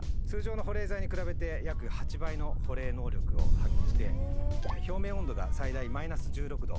通常の保冷剤に比べて約８倍の保冷能力を発揮して表面温度が最大マイナス１６℃。